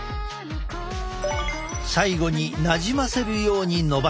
最後になじませるようにのばす。